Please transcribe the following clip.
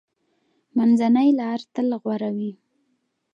منځنۍ لار تل غوره وي.